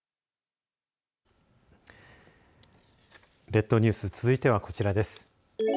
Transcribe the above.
列島ニュース続いてはこちらです。